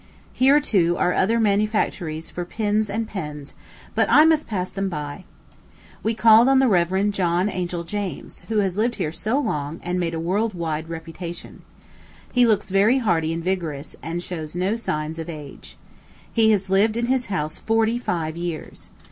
Here, too, are other manufactories for pins and pens; but I must pass them by. We called on the Rev. John Angell James, who has lived here so long, and made a world wide reputation. He looks very hearty and vigorous, and shows no signs of age. He has lived in his house forty five years.